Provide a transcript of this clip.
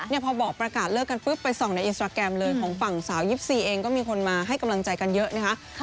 พอบอกประกาศเลิกกันปุ๊บไปส่องในอินสตราแกรมเลยของฝั่งสาว๒๔เองก็มีคนมาให้กำลังใจกันเยอะนะคะ